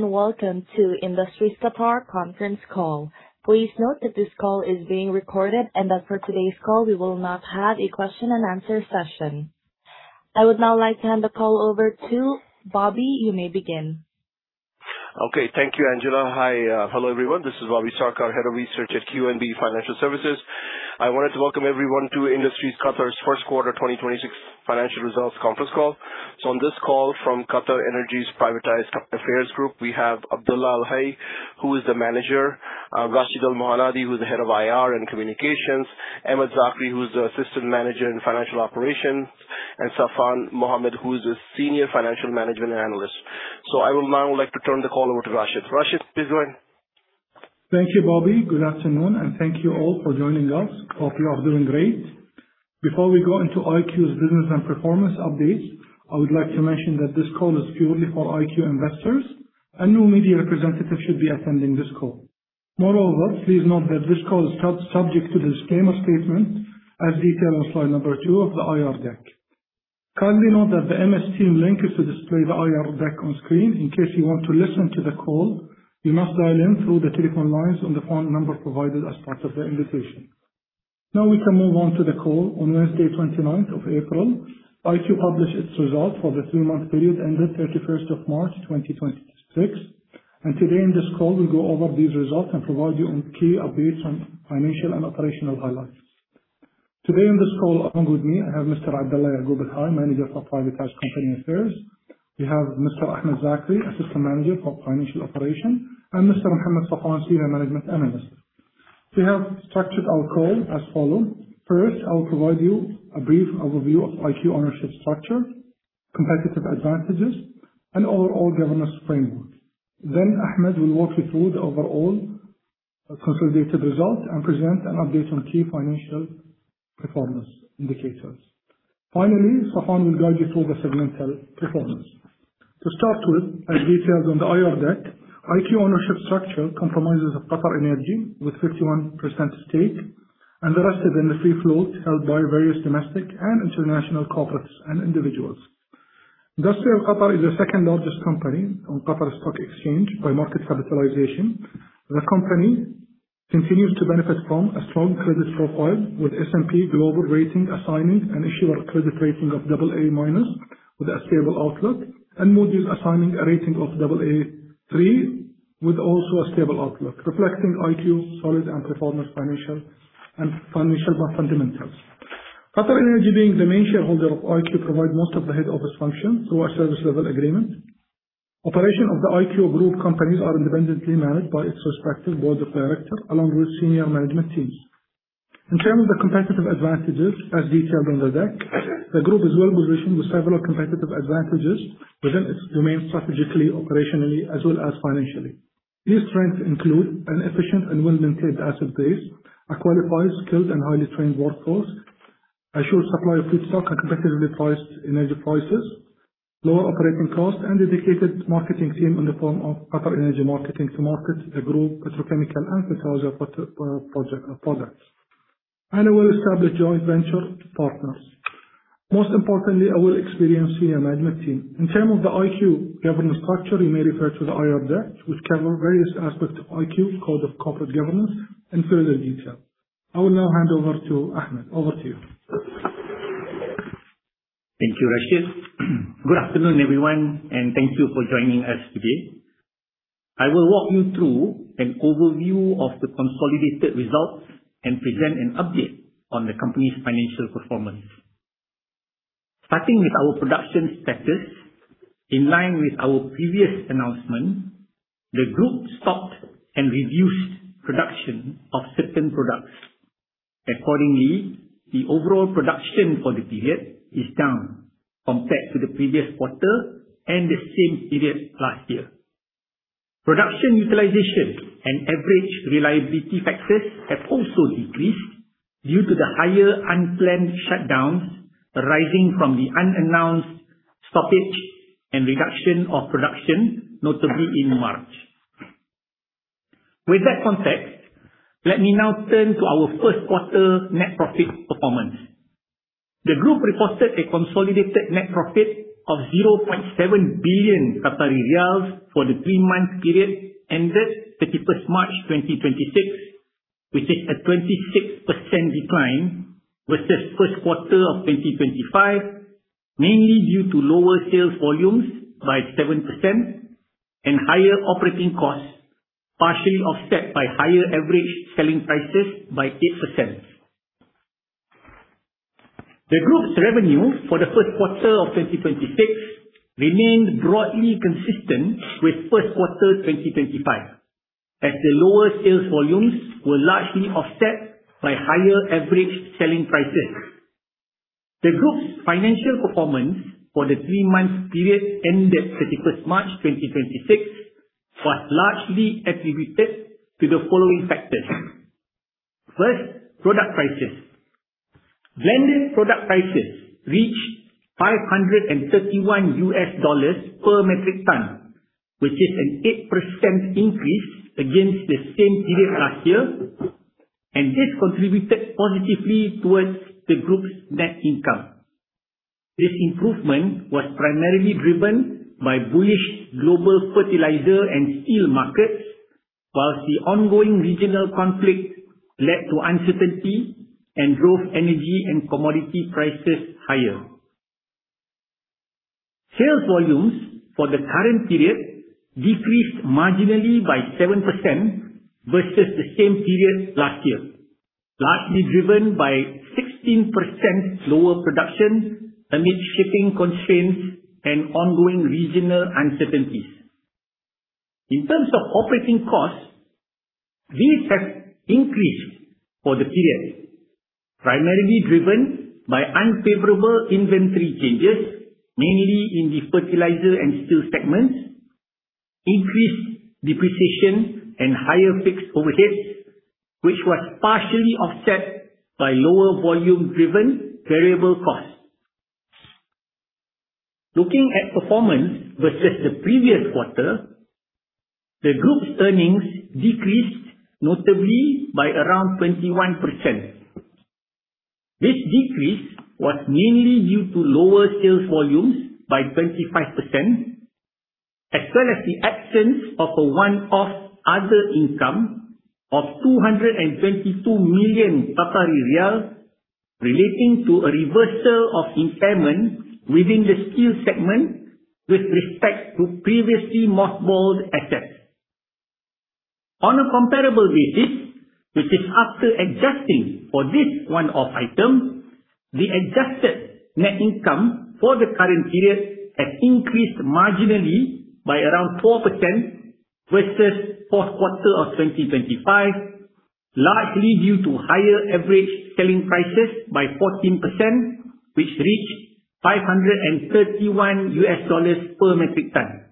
Welcome to Industries Qatar conference call. Please note that this call is being recorded and that for today's call, we will not have a question and answer session. I would now like to hand the call over to Bobby. You may begin. Thank you, Angela. Hello, everyone. This is Bobby Sarkar, Head of Research at QNB Financial Services. I wanted to welcome everyone to Industries Qatar's first quarter 2026 financial results conference call. On this call from QatarEnergy's Privatized Affairs Group, we have Abdulla Al-Hay, who is the Manager, Rashed Al-Mohannadi, who is the Head of IR and Communications, Ahmed Zakri, who is the Assistant Manager in Financial Operations, and Safwan Mohammed, who is a Senior Financial Management Analyst. I would now like to turn the call over to Rashid. Rashid, please go on. Thank you, Bobby. Good afternoon. Thank you all for joining us. Hope you are doing great. Before we go into IQ's business and performance updates, I would like to mention that this call is purely for IQ investors. No media representatives should be attending this call. Moreover, please note that this call is subject to disclaimer statement as detailed on slide number two of the IR deck. Kindly note that the MS Teams link is to display the IR deck on screen. In case you want to listen to the call, you must dial in through the telephone lines on the phone number provided as part of the invitation. We can move on to the call. On Wednesday, 29th of April, IQ published its results for the three-month period ended 31st of March 2026. Today in this call, we'll go over these results and provide you on key updates on financial and operational highlights. Today on this call, along with me, I have Mr. Abdullah Al Gubil Al, Manager for Privatized Company Affairs. We have Mr. Ahmed Zakri, Assistant Manager for Financial Operations, and Mr. Mohammed Safwan, Senior Management Analyst. We have structured our call as follows. First, I will provide you a brief overview of IQ ownership structure, competitive advantages, and overall governance framework. Ahmed will walk you through the overall consolidated results and present an update on key financial performance indicators. Finally, Safwan will guide you through the segmental performance. To start with, as detailed on the IR deck, IQ ownership structure comprises of QatarEnergy with 51% stake and the rest is in the free float held by various domestic and international corporates and individuals. Industries Qatar is the second largest company on Qatar Stock Exchange by market capitalization. The company continues to benefit from a strong credit profile with S&P Global Ratings assigning an issuer credit rating of AA- with a stable outlook and Moody's assigning a rating of Aa3 with also a stable outlook, reflecting IQ solid and performance financial fundamentals. QatarEnergy, being the main shareholder of IQ, provide most of the head office function through our service level agreement. Operation of the IQ group companies are independently managed by its respective board of directors along with senior management teams. In terms of competitive advantages, as detailed on the deck, the group is well positioned with several competitive advantages within its domain strategically, operationally, as well as financially. These strengths include an efficient and well-maintained asset base, a qualified, skilled, and highly trained workforce, a sure supply of feedstock and competitively priced energy prices, lower operating costs, and dedicated marketing team in the form of QatarEnergy Marketing to market the group petrochemical and fertilizer products, and a well-established joint venture partners. Most importantly, a well experienced senior management team. In terms of the IQ governance structure, you may refer to the IR deck, which covers various aspects of IQ code of corporate governance in further detail. I will now hand over to Ahmed. Over to you. Thank you, Rashid. Good afternoon, everyone, and thank you for joining us today. I will walk you through an overview of the consolidated results and present an update on the company's financial performance. Starting with our production status, in line with our previous announcement, the group stopped and reduced production of certain products. Accordingly, the overall production for the period is down compared to the previous quarter and the same period last year. Production utilization and average reliability factors have also decreased due to the higher unplanned shutdowns arising from the unannounced stoppage and reduction of production, notably in March. With that context, let me now turn to our first quarter net profit performance. The group reported a consolidated net profit of 0.7 billion Qatari riyals for the three-month period ended 31st March 2026, which is a 26% decline versus first quarter of 2025, mainly due to lower sales volumes by 7% and higher operating costs, partially offset by higher average selling prices by 8%. The group's revenue for the first quarter of 2026 remained broadly consistent with first quarter 2025 as the lower sales volumes were largely offset by higher average selling prices. The group's financial performance for the three-month period ended 31st March 2026 was largely attributed to the following factors. First, product prices. Blended product prices reached $531 US dollars per metric ton, which is an 8% increase against the same period last year. This contributed positively towards the group's net income. This improvement was primarily driven by bullish global fertilizer and steel markets, whilst the ongoing regional conflict led to uncertainty and drove energy and commodity prices higher. Sales volumes for the current period decreased marginally by 7% versus the same period last year, largely driven by 16% lower production amid shipping constraints and ongoing regional uncertainties. In terms of operating costs, these have increased for the period, primarily driven by unfavorable inventory changes, mainly in the fertilizer and steel segments, increased depreciation and higher fixed overheads, which was partially offset by lower volume-driven variable costs. Looking at performance versus the previous quarter, the group's earnings decreased notably by around 21%. This decrease was mainly due to lower sales volumes by 25%, as well as the absence of a one-off other income of 222 million Qatari riyal relating to a reversal of impairment within the steel segment with respect to previously mothballed assets. On a comparable basis, which is after adjusting for this one-off item, the adjusted net income for the current period has increased marginally by around 4% versus fourth quarter of 2025, largely due to higher average selling prices by 14%, which reached $531 per metric ton.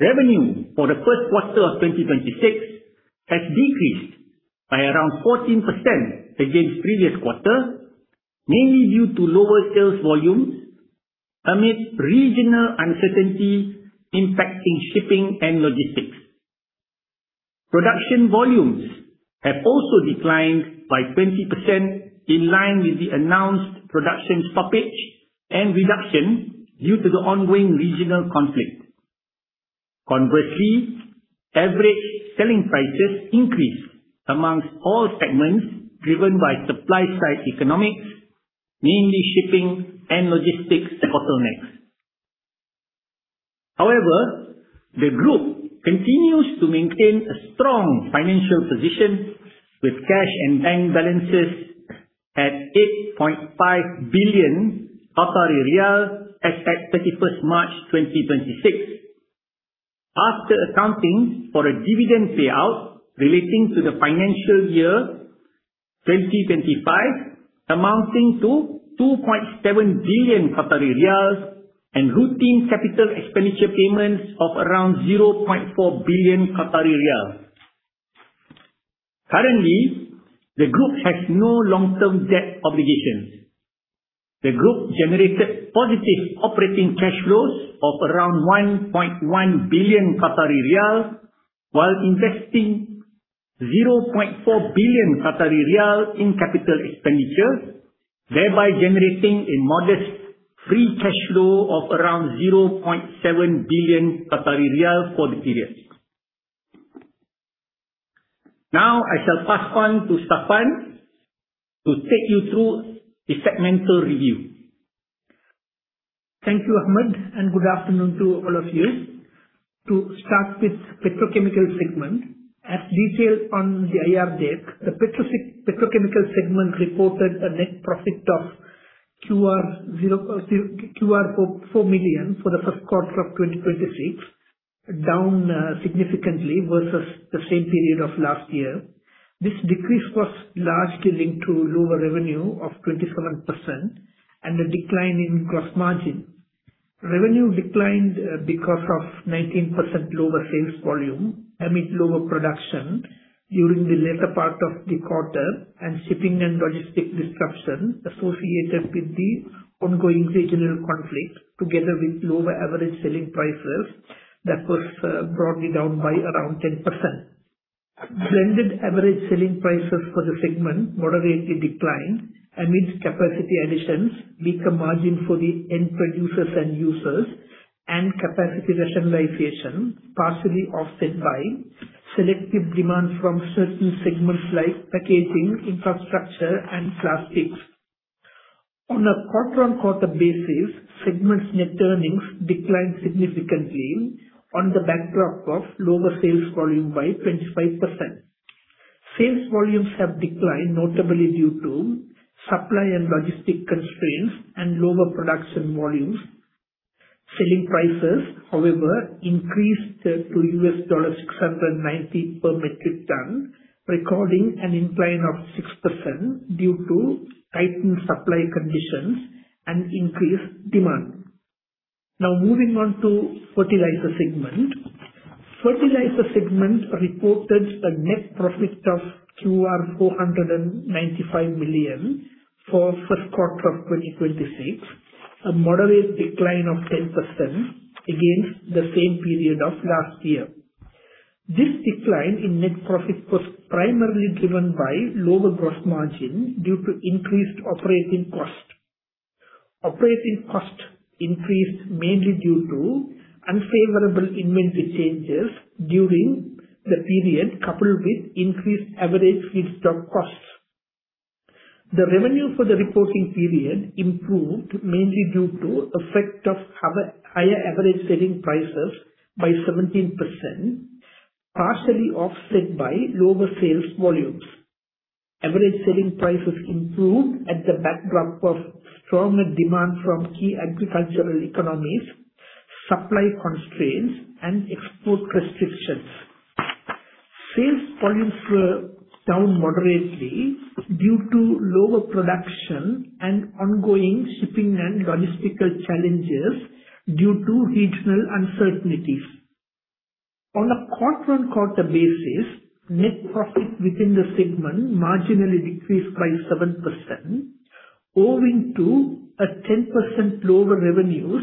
Revenue for the first quarter of 2026 has decreased by around 14% against the previous quarter, mainly due to lower sales volumes amid regional uncertainty impacting shipping and logistics. Production volumes have also declined by 20% in line with the announced production stoppage and reduction due to the ongoing regional conflict. Conversely, average selling prices increased amongst all segments driven by supply side economics, mainly shipping and logistics bottlenecks. The group continues to maintain a strong financial position with cash and bank balances at 8.5 billion Qatari riyal as at 31st March 2026. After accounting for a dividend payout relating to the financial year 2025 amounting to 2.7 billion Qatari riyals and routine capital expenditure payments of around 0.4 billion QAR. Currently, the group has no long-term debt obligations. The group generated positive operating cash flows of around 1.1 billion Qatari riyal while investing 0.4 billion Qatari riyal in capital expenditure, thereby generating a modest free cash flow of around 0.7 billion Qatari riyal for the period. I shall pass on to Safwan to take you through the segmental review. Thank you, Ahmed, and good afternoon to all of you. To start with petrochemical segment. As detailed on the IR deck, the petrochemical segment reported a net profit of 4 million QAR for the first quarter of 2026, down significantly versus the same period of last year. This decrease was largely linked to lower revenue of 27% and a decline in gross margin. Revenue declined because of 19% lower sales volume amid lower production during the later part of the quarter and shipping and logistic disruption associated with the ongoing regional conflict, together with lower average selling prices that was broadly down by around 10%. Blended average selling prices for the segment moderately declined amidst capacity additions, weaker margin for the end producers and users, and capacity rationalization, partially offset by selective demand from certain segments like packaging, infrastructure, and plastics. On a quarter-on-quarter basis, segment's net earnings declined significantly on the backdrop of lower sales volume by 25%. Sales volumes have declined notably due to supply and logistic constraints and lower production volumes. Selling prices, however, increased to $690 per metric ton, recording an incline of 6% due to tightened supply conditions and increased demand. Now moving on to fertilizer segment. Fertilizer segment reported a net profit of QR 495 million for first quarter of 2026. A moderate decline of 10% against the same period of last year. This decline in net profit was primarily driven by lower gross margin due to increased operating cost. Operating cost increased mainly due to unfavorable inventory changes during the period, coupled with increased average feedstock costs. The revenue for the reporting period improved mainly due to effect of higher average selling prices by 17%, partially offset by lower sales volumes. Average selling prices improved at the backdrop of stronger demand from key agricultural economies, supply constraints, and export restrictions. Sales volumes were down moderately due to lower production and ongoing shipping and logistical challenges due to regional uncertainties. On a quarter-on-quarter basis, net profit within the segment marginally decreased by 7%, owing to a 10% lower revenues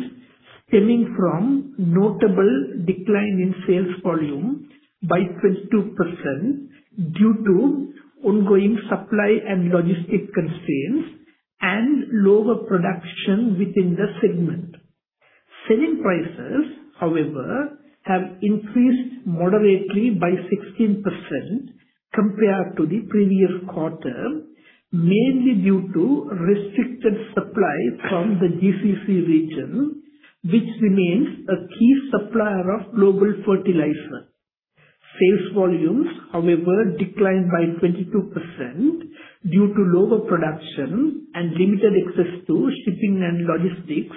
stemming from notable decline in sales volume by 22%, due to ongoing supply and logistic constraints, and lower production within the segment. Selling prices, however, have increased moderately by 16% compared to the previous quarter, mainly due to restricted supply from the GCC region, which remains a key supplier of global fertilizer. Sales volumes, however, declined by 22% due to lower production and limited access to shipping and logistics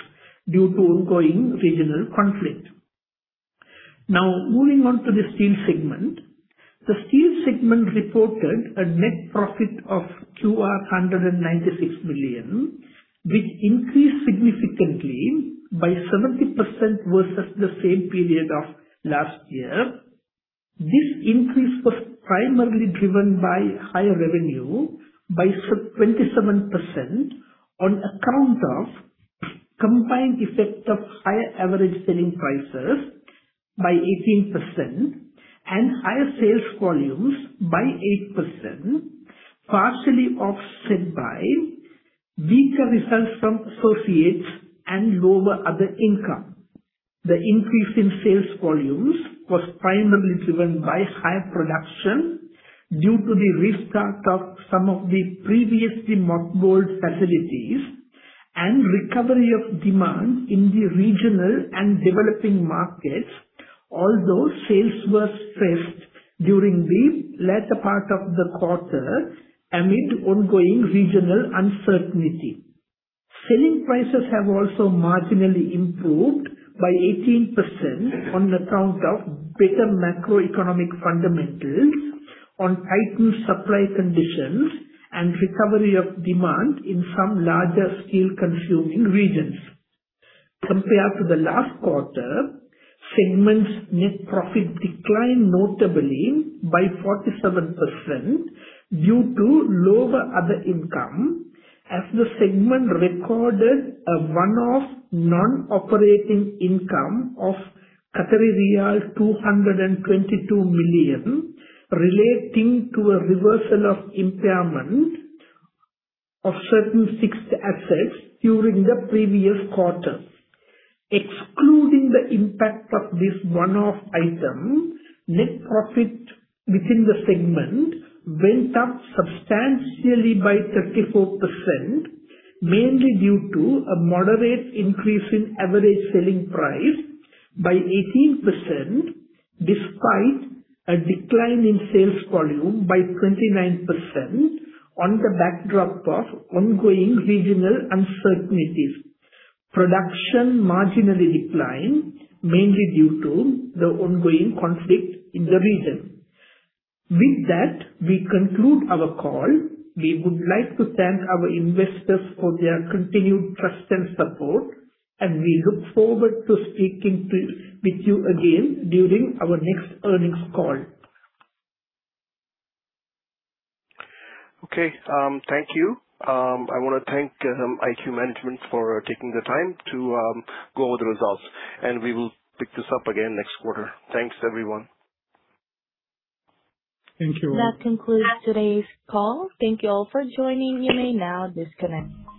due to ongoing regional conflict. Now, moving on to the steel segment. The steel segment reported a net profit of QR 196 million, which increased significantly by 70% versus the same period of last year. This increase was primarily driven by higher revenue by 27%, on account of combined effect of higher average selling prices by 18% and higher sales volumes by 8%, partially offset by weaker results from associates and lower other income. The increase in sales volumes was primarily driven by higher production due to the restart of some of the previously mothballed facilities and recovery of demand in the regional and developing markets. Although sales were stressed during the latter part of the quarter amid ongoing regional uncertainty. Selling prices have also marginally improved by 18% on account of better macroeconomic fundamentals on tightened supply conditions and recovery of demand in some larger steel consuming regions. Compared to the last quarter, segment's net profit declined notably by 47% due to lower other income, as the segment recorded a one-off non-operating income of 222 million relating to a reversal of impairment of certain fixed assets during the previous quarter. Excluding the impact of this one-off item, net profit within the segment went up substantially by 34%, mainly due to a moderate increase in average selling price by 18%, despite a decline in sales volume by 29% on the backdrop of ongoing regional uncertainties. Production marginally declined, mainly due to the ongoing conflict in the region. With that, we conclude our call. We would like to thank our investors for their continued trust and support, and we look forward to speaking with you again during our next earnings call. Okay. Thank you. I want to thank IQ management for taking the time to go over the results. We will pick this up again next quarter. Thanks, everyone. Thank you. That concludes today's call. Thank you all for joining. You may now disconnect.